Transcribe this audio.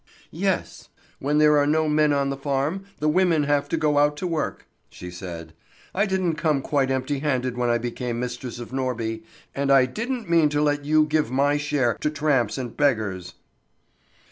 "Yes! When there are no men on the farm, the women have to go out to work," she said. "I didn't come quite empty handed when I became mistress at Norby, and I didn't mean to let you give my share to tramps and beggars."